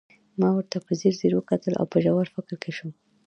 ما ورته په ځیر ځير وکتل او په ژور فکر کې شوم